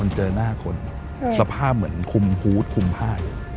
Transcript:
มันเจอหน้าคนสภาพเหมือนคุมพูดคุมพาด